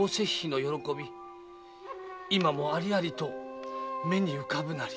今もありありと目に浮かぶなり」。